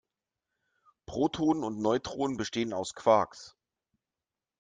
Protonen und Neutronen bestehen aus Quarks.